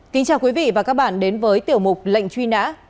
kính chào quý vị và các bạn đến với tiểu mục lệnh truy nã